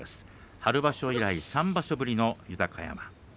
春場所以来３場所ぶりの豊山。